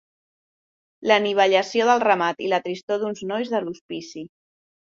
La anivellació del ramat i la tristor d'uns nois del hospici